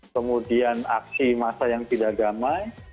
kemudian aksi masa yang tidak damai